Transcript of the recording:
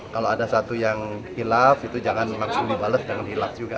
kalau ada satu yang hilaf itu jangan langsung dibalet jangan hilaf juga